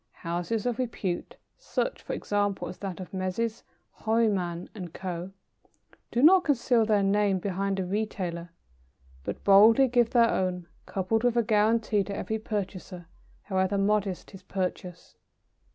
Houses of repute such, for example, as that of Messrs. Horniman and Co. do not conceal their names behind a retailer, but boldly give their own, coupled with a guarantee to every purchaser, however modest his purchase.